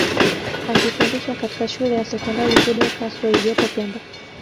akifundisha katika shule ya sekondari Fidel Castro iliyopo pemba